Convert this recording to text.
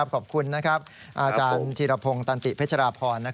ขอบคุณนะครับอาจารย์ธีรพงษ์ตันติพัชราพร